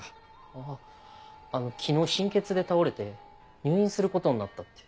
あぁあの昨日貧血で倒れて入院することになったって。